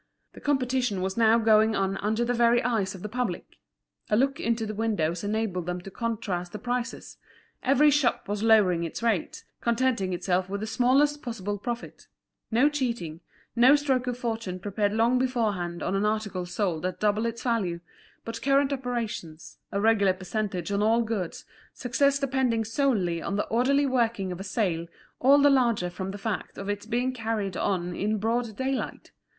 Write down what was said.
The competition was now going on under the very eyes of the public; a look into the windows enabled them to contrast the prices; every shop was lowering its rates, contenting itself with the smallest possible profit; no cheating, no stroke of fortune prepared long beforehand on an article sold at double its value, but current operations, a regular percentage on all goods, success depending solely on the orderly working of a sale all the larger from the fact of its being carried on in broad daylight.